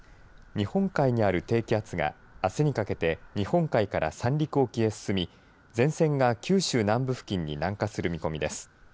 日本海にある低気圧があすにかけて日本海から三陸沖へ進み前線が九州南部付近に南下する見込みです。